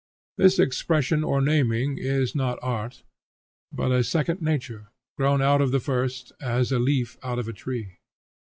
This expression or naming is not art, but a second nature, grown out of the first, as a leaf out of a tree.